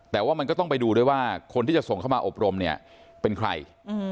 แต่ว่ามันก็ต้องไปดูด้วยว่าคนที่จะส่งเข้ามาอบรมเนี่ยเป็นใคร